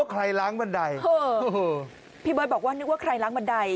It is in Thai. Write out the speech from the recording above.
พี่เบิร์ดบอกว่านึกว่าใครล้างบันได